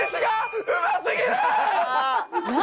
何？